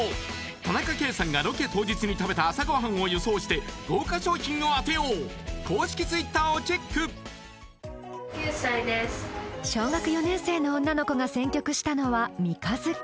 田中圭さんがロケ当日に食べた朝ごはんを予想して豪華賞品を当てよう小学４年生の女の子が選曲したのは「三日月」